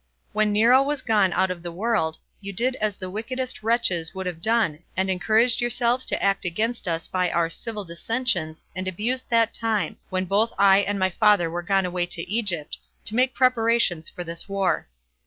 When Nero was gone out of the world, you did as the wickedest wretches would have done, and encouraged yourselves to act against us by our civil dissensions, and abused that time, when both I and my father were gone away to Egypt, to make preparations for this war.